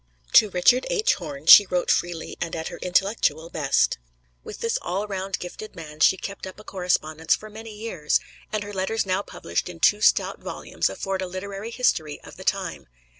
To Richard H. Horne she wrote freely and at her intellectual best. With this all round, gifted man she kept up a correspondence for many years; and her letters now published in two stout volumes afford a literary history of the time.